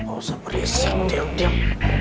gak usah beresit diam diam